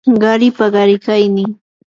qaripa qarikaynin